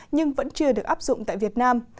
nhưng vẫn chưa được áp dụng tại việt nam